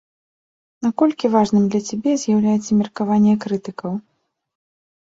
Наколькі важным для цябе з'яўляецца меркаванне крытыкаў?